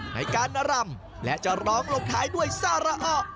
ในการรำและจะร้องหลบท้ายด้วยซาระอ้อ